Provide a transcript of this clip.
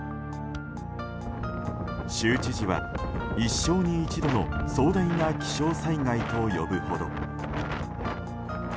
州知事は一生に一度の壮大な気象災害と呼ぶほど。